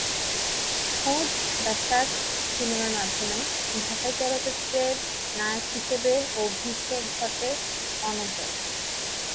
খোঁজ-দ্য search সিনেমার মাধ্যমে ঢাকাই চলচ্চিত্রে নায়ক হিসেবে অভিষেক ঘটে অনন্তর।